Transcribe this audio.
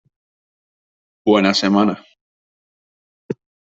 Buena semana.